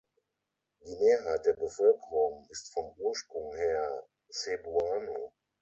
Die Mehrheit der Bevölkerung ist vom Ursprung her Cebuano.